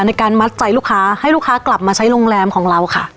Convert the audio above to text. ในการมัดใจลูกค้าให้ลูกค้ากลับมาใช้โรงแรมของเราค่ะ